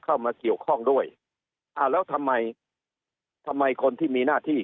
เข้ามาเกี่ยวข้องด้วยอ่าแล้วทำไมทำไมคนที่มีหน้าที่